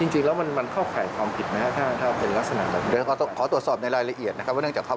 จริงแล้วมันเข้าข่ายความผิดไหมครับ